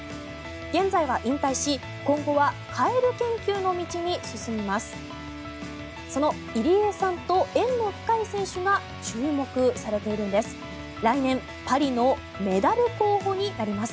現在は引退し、今後はカエル研究の道に進みます。